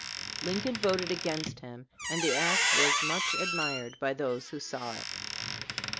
Lincoln voted against him, and the act was much admired by those who saw it.